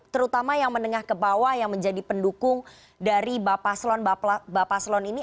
terutama yang menengah ke bawah yang menjadi pendukung dari bapak selon ini